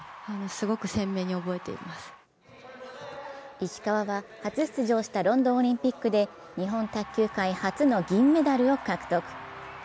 石川は初出場したロンドンオリンピックで日本卓球界初の銀メダルを獲得。